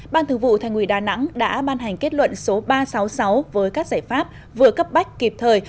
ban thứ vụ thành ủy đà nẵng đã ban hành kết luận số ba trăm sáu mươi sáu với các giải pháp vừa cấp bách kịp thời